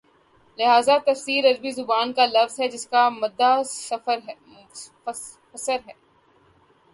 لفظ تفسیر عربی زبان کا لفظ ہے جس کا مادہ فسر ہے